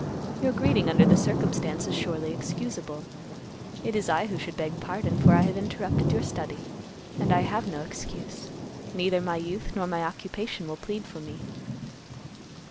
Your greeting under the circumstance is surely excusable. It is I who should beg pardon, for I have interrupted your study, and I have no excuse; neither my youth nor my occupation will plead for me."